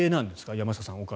山下さん